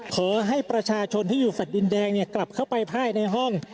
ขอให้ประชาชนที่อยู่แฟลต์ดินแดงกลับเข้าไปภายในห้อง